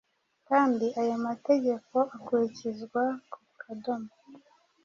kandi ayo mategeko akurikizwa ku kadomo